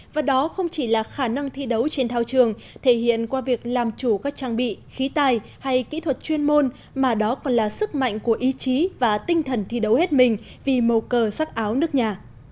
và đó không chỉ là khả năng thi đấu trên thao trường thể hiện qua việc làm chủ các trang bị khí tài hay kỹ thuật chuyên môn mà đó còn là sức mạnh của ý chí và tinh thần thi đấu hết mình vì màu cờ sắc áo nước nhà